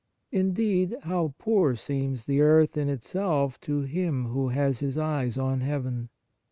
Indeed, how poor seems the earth in itself to him who has his eyes on heaven